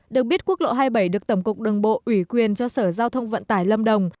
được biết quốc lộ hai mươi bảy được tổng cục đường bộ ủy quyền cho sở giao thông vận tải lâm đồng